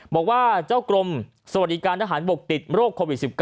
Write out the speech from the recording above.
บอกว่าเจ้ากรมสวัสดิการทหารบกติดโรคโควิด๑๙